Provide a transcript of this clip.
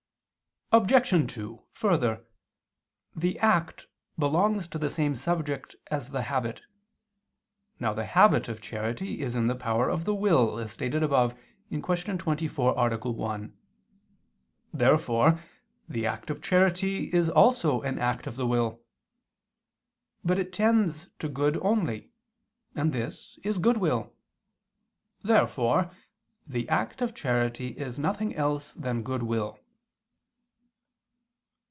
Obj. 2: Further, the act belongs to the same subject as the habit. Now the habit of charity is in the power of the will, as stated above (Q. 24, A. 1). Therefore the act of charity is also an act of the will. But it tends to good only, and this is goodwill. Therefore the act of charity is nothing else than goodwill.